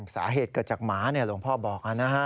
สาเหตุเกิดจากหมาเนี่ยหลวงพ่อบอกกันนะฮะ